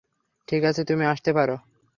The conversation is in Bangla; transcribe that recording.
ঠিক আছে, তুমি আসতে পারো!